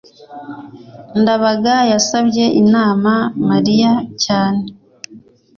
ndabaga yasabye inama mariya cyane